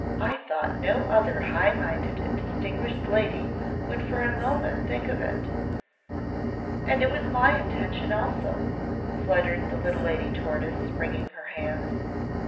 "I thought no other high minded and distinguished lady would for a moment think of it." "And it was my intention also!" fluttered the little Lady Tortoise, wringing her hands!